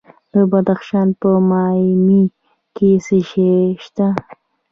د بدخشان په مایمي کې څه شی شته؟